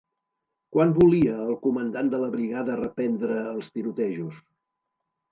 Quan volia el comandant de la brigada reprendre els tirotejos?